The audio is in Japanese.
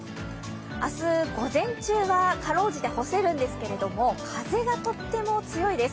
明日、午前中は辛うじて干せるんですけれども風がとっても強いです。